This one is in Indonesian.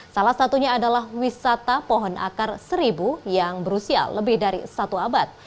salah satunya adalah wisata pohon akar seribu yang berusia lebih dari satu abad